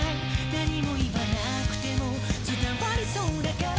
「何も言わなくても伝わりそうだから」